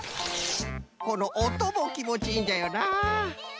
このおともきもちいいんじゃよな